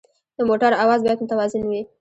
د موټر اواز باید متوازن وي.